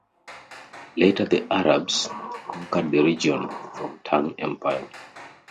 Later, the Arabs reconquered the region from Tang Empire.